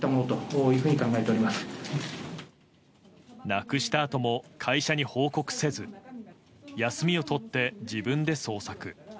なくしたあとも会社に報告せず休みを取って自分で捜索。